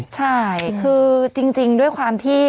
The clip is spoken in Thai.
ใช่คือจริงด้วยความที่